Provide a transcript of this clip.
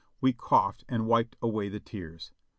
We coughed and wiped away the tears.